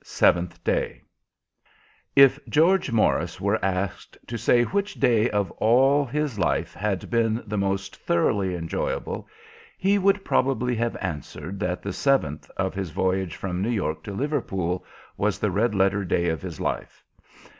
Seventh Day If George Morris were asked to say which day of all his life had been the most thoroughly enjoyable, he would probably have answered that the seventh of his voyage from New York to Liverpool was the red letter day of his life.